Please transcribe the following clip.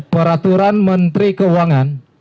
peraturan menteri keuangan